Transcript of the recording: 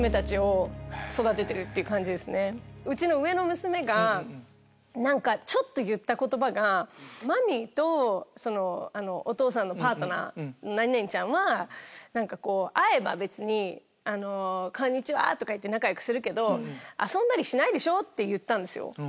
うちの上の娘がちょっと言った言葉が「マミーとお父さんのパートナーは会えばこんにちは！とかいって仲良くするけど遊んだりしないでしょ」って言ったんですよ。